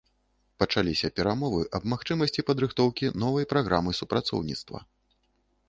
Пачаліся перамовы аб магчымасці падрыхтоўкі новай праграмы супрацоўніцтва.